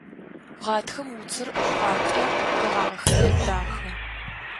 Гъатхэм уцыр шхъуантӀэ, къэгъагъэхэри дахэ.